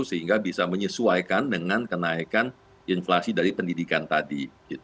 sehingga bisa menyesuaikan dengan kenaikan inflasi dari pendidikan tadi